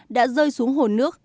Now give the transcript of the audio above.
đã rơi xuống hồ nước